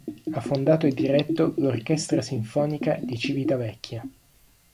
Ha fondato e diretto l'Orchestra Sinfonica di Civitavecchia.